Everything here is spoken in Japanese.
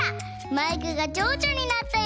マイクがちょうちょになったよ！